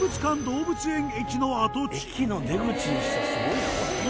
駅の出口にしちゃすごいなこれ。